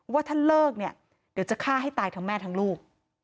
ว่าถ้าเลิกเนี่ยเดี๋ยวจะฆ่าให้ตายทั้งแม่ทั้งลูก